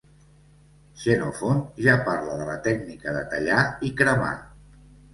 Xenofont ja parla de la tècnica de tallar i cremar.